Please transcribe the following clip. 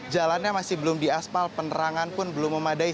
jalannya masih belum diaspal penerangan pun belum memadai